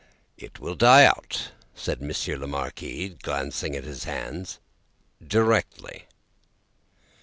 "It will die out," said Monsieur the Marquis, glancing at his hands, "directly."